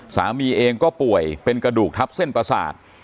สามีเองก็ป่วยเป็นกระดูกทับเส้นประสาท